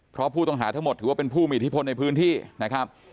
เพราะผู้ต้องหาทั้งหมดถือว่าเป็นผู้มีอิทธิพลในพื้นที่นะครับ